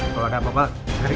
kalau ada apa apa tarik